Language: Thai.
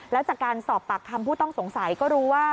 แล้วจากการสอบปากคำผู้ต้องสงสัยก็รู้ว่า